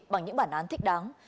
bằng những bản án thích đáng